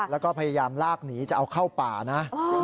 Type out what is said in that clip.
แล้วก็พยายามลากหนีจะเอาเข้าป่านะ